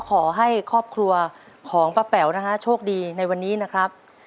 ขอให้ครอบครัวของป้าแป๋วนะฮะโชคดีในวันนี้นะครับ